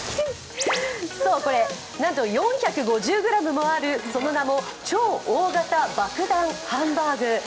そう、これ、なんと４５０ｇもある超大型爆弾ハンバーグ。